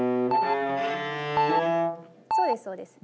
そうですそうです。